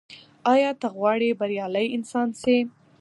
ایا ته غواړې بریالی انسان سې؟